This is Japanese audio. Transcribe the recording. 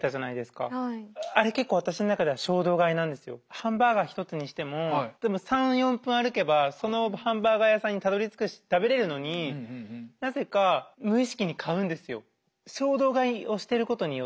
ハンバーガー１つにしても３４分歩けばそのハンバーガー屋さんにたどりつくし食べれるのになぜか無意識に買うんですよ。